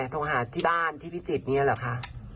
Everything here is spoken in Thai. โทรหาที่บ้านที่พิจิตรอย่างนี้เหรอคะ